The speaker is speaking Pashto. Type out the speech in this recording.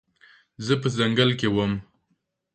زه په ځنګل کې وم